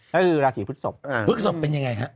ก็คือราศีพฤทธิ์ศพพฤทธิ์ศพเป็นยังไงครับ